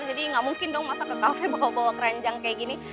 gak mungkin dong masak ke kafe bawa bawa keranjang kayak gini